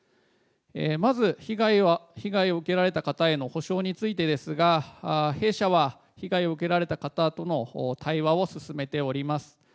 まず被害を受けられた方への補償についてですが、弊社は被害を受けられた方との対話を進めております。